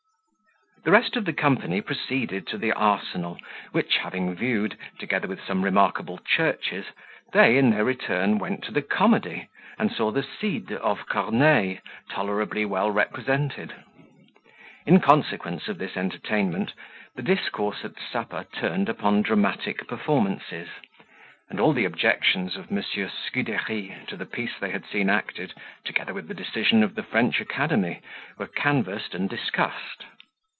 The rest of the company proceeded to the arsenal, which having viewed, together with some remarkable churches, they, in their return, went to the comedy, and saw the Cid of Corneille tolerably well represented. In consequence of this entertainment, the discourse at supper turned upon dramatic performances; and all the objections of Monsieur Scudery to the piece they had seen acted, together with the decision of the French Academy, were canvassed and discussed.